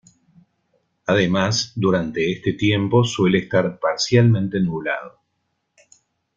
Además, durante este tiempo suele estar parcialmente nublado.